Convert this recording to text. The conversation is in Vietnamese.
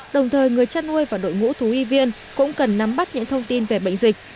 đồng thời người chăn nuôi và đội ngũ thú y viên cũng cần nắm bắt những thông tin về bệnh dịch